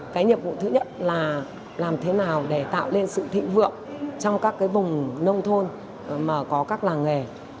cái nhiệm vụ thứ nhất là làm thế nào để tạo lên sự thị vượng trong các cái vùng nông thôn mà có các làng nghề